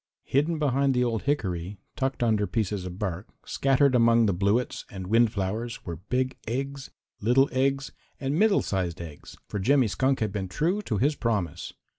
Hidden behind the old hickory, tucked under pieces of bark, scattered among the bluets and wind flowers were big eggs, little eggs and middle sized eggs, for Jimmy Skunk had been true to his promise.